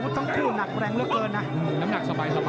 ตัดล่าง